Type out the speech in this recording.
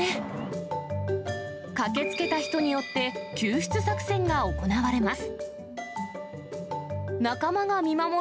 駆けつけた人によって救出作戦が行われます。